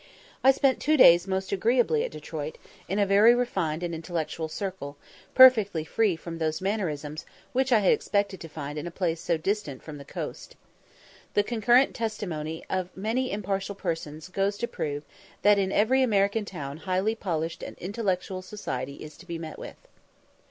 I spent two days most agreeably at Detroit, in a very refined and intellectual circle, perfectly free from those mannerisms which I had expected to find in a place so distant from the coast. The concurrent testimony of many impartial persons goes to prove that in every American town highly polished and intellectual society is to be met with.